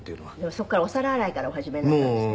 そこからお皿洗いからお始めになったんですって？